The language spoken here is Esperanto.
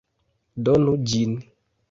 Donu ĝin!